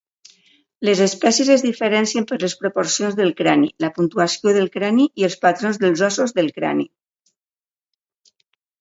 Les espècies es diferencien per les proporcions del crani, la puntuació del crani i els patrons dels ossos del crani.